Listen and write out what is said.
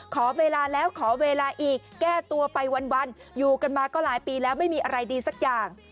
ขอเวลาแล้วขอเวลาอีกแก้ตัวไปวันอยู่กันมาก็หลายปีแล้วไม่มีอะไรดีสักอย่าง